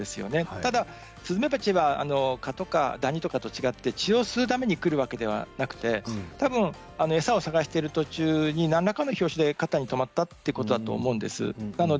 ただスズメバチは蚊やダニと違って血を吸うために来るわけではなくてたぶん餌を探している途中に何らかの拍子で肩にとまるということだと思うんです。